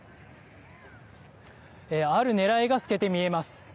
あるねらいが透けて見えます。